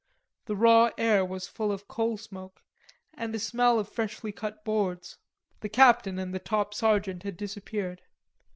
The raw air was full of coal smoke and a smell of freshly cut boards. The captain and the top sergeant had disappeared.